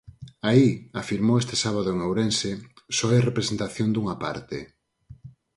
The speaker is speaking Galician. Aí, afirmou este sábado en Ourense, só hai representación dunha parte.